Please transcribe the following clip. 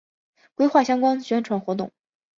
规划相关宣传活动